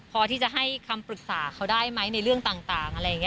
พอที่จะให้คำปรึกษาเขาได้ไหมในเรื่องต่าง